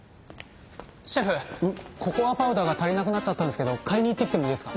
シェフココアパウダーが足りなくなっちゃったんですけど買いに行ってきてもいいですか？